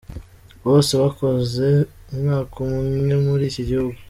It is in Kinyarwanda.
Bose bakoze umwaka umwe muri iki gihugu.